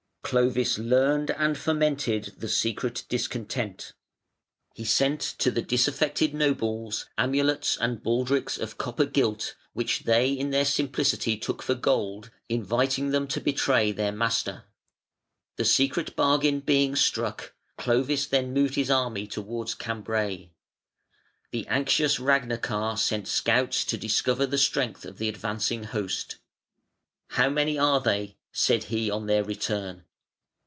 Clovis learned and fomented the secret discontent. He sent to the disaffected nobles amulets and baldrics of copper gilt which they in their simplicity took for gold, inviting them to betray their master. The secret bargain being struck, Clovis then moved his army towards Cambray. The anxious Ragnachar sent scouts to discover the strength of the advancing host. "How many are they?" said he on their return.